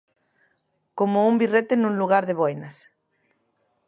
Como un birrete nun lugar de boinas.